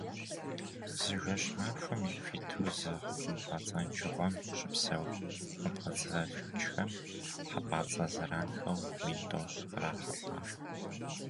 Зы жэщ-махуэм ику иту зы хъумпӀэцӀэджыгъуэм щыпсэу хъумпӀэцӀэджхэм хьэпӀацӀэ зэранхэу мин тӀощӀ кърахьэлӀэ.